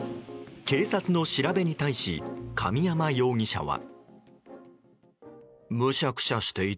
警察の調べに対し神山容疑者は。